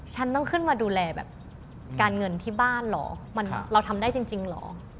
ฉันต้องขึ้นมาดูแลแบบการเงินที่บ้านเหรอเราทำได้จริงเหรอ